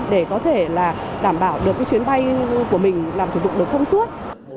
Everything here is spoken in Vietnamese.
để có thể là đảm bảo được cái chuyến bay của mình làm thủ tục được thông suốt